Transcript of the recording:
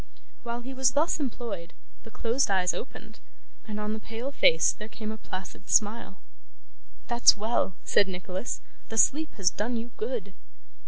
While he was thus employed, the closed eyes opened, and on the pale face there came a placid smile. 'That's well!' said Nicholas. 'The sleep has done you good.